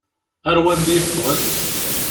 Ar wanda i ffɣen?